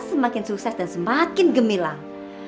semakin sukses dan semakin gemilang